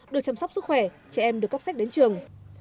được chăm sóc sức khỏe trẻ em được cấp sách đến trường